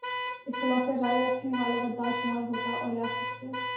اختلاف رائے رکھنے والا غدار شمار ہوتا اور ریاست کے